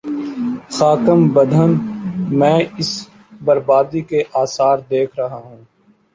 خاکم بدہن، میں اس بر بادی کے آثار دیکھ رہا ہوں۔